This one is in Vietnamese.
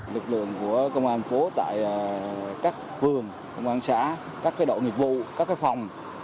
lực lượng của công an phố tại các phường công an xã các đội nghiệp vụ các phòng